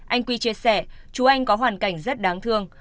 anh quy chia sẻ chú anh có hoàn cảnh rất đáng thương